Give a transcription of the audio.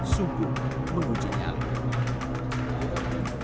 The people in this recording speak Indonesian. sungguh mengucin nyala